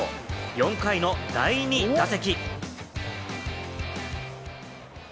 ４回の第２打席。